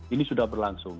ini sudah berlangsung